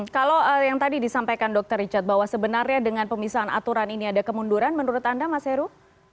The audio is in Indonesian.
kalau yang tadi disampaikan dr richard bahwa sebenarnya dengan pemisahan aturan ini ada kemunduran menurut anda mas heru